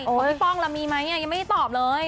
ขอพี่ป้องหละมีมั้ยยังไม่ได้ตอบเลย